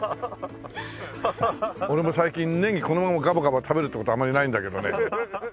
俺も最近ネギこのままガバガバ食べるって事あまりないんだけどね。